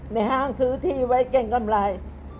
ห้างซื้อที่ไว้เก่งกำไร